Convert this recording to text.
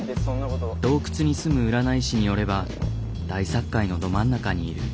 洞窟に住む占い師によれば大殺界のど真ん中にいる。